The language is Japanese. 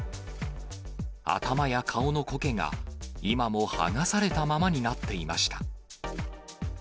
頭や顔のこけが今も剥がされたままになっていました。